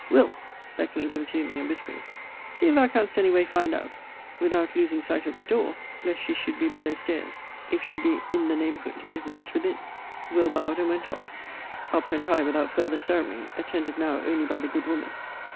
Will.! beckoning him to me, and whispering, see if thou canst any way find out (without losing sight of the door, lest she should be below stairs) if she be in the neighbourhood, if not within. Will. bowed, and went off. Up went I, without further ceremony; attended now only by the good woman.